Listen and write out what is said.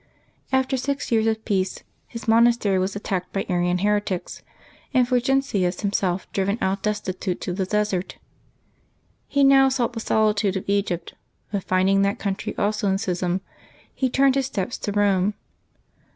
After six 3^ears of peace, his monastery was attacked by Arian heretics, and Fulgentius himself driven out destitute to the desert. He now sought the solitude of Egypt, but finding that country also in schism, he turned his steps to Rome.